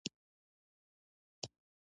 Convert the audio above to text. کله تاسو کابل ته راغلې وي؟